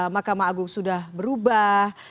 mahkamah agung sudah berubah